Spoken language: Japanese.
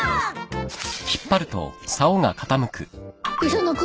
磯野君！